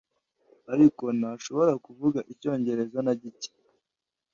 ariko ntashobora kuvuga icyongereza nagike